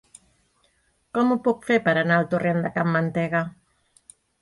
Com ho puc fer per anar al torrent de Can Mantega?